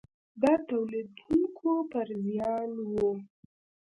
د تولیدوونکو پر زیان و.